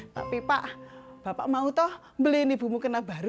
tapi pak bapak mau tuh beliin ibu mukena baru